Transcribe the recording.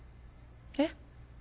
えっ？